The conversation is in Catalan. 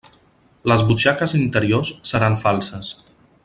Les butxaques interiors seran falses.